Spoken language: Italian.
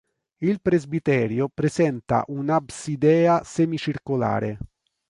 Il presbiterio presenta un'absidea semicircolare.